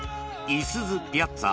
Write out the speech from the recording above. いすゞ、ピアッツァ。